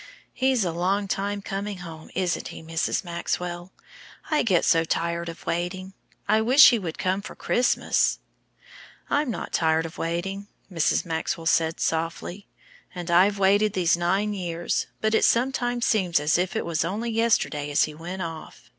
"He's a long time coming home, isn't he, Mrs. Maxwell? I get so tired of waiting. I wish he would come for Christmas." "I'm not tired of waiting," Mrs. Maxwell said softly, "and I've waited these nine years, but it sometimes seems as if it is only yesterday as he went off.